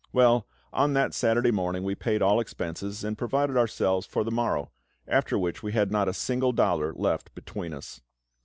Well, on that Saturday morning we paid all expenses, and provided ourselves for the morrow, after which we had not a single dollar left between us.